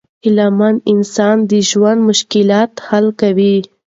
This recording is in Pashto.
هیله مند انسان د ژوند مشکلات حل کوي.